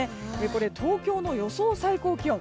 これ、東京の予想最高気温。